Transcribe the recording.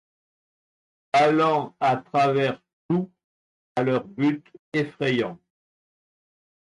Allant à travers tout à leur but effrayant !